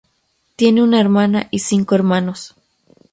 Tiene una hermana y cinco hermanos.